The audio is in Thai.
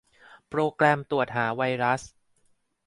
โปรแกรมตรวจหาไวรัส